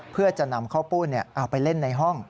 เพื่อจะนำข้าวปุ้นเอาไปเล่นในห้อง